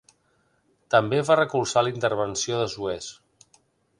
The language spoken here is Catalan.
També va recolzar la intervenció de Suez.